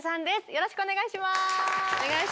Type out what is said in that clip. よろしくお願いします。